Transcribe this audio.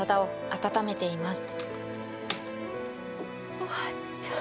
終わった。